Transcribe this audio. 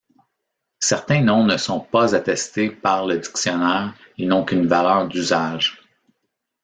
Certains noms ne sont pas attestés par le dictionnaire, ils n’ont qu’une valeur d’usage.